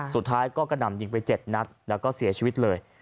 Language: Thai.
สุดท้ายก็กระหน่ำยิงไป๗นัดแล้วก็เสียชีวิตเลย